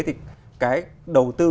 thì cái đầu tư